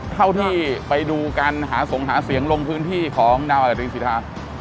เท่าที่ไปดูการหาสงหาเสียงลงพื้นที่ของดาวอากาศรินสิทธา